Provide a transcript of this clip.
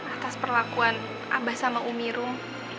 atas perlakuan abah sama umi rom